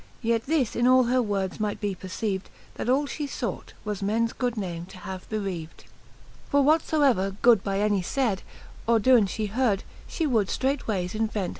Yet this in all her words might be perceived. That all fhe fought, was mens good name to have bereaved, XXXIV. For what ibever good by any layd, Or doen fhe heard, fhe would ftreightwayes invent.